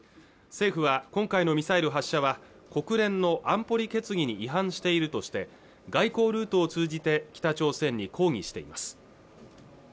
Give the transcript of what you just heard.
政府は今回のミサイル発射は国連の安保理決議に違反しているとして外交ルートを通じて北朝鮮に抗議しています